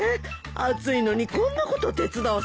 暑いのにこんなこと手伝わせて。